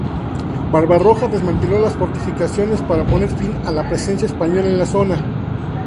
Barbarroja desmanteló las fortificaciones para poner fin a la presencia española en la zona.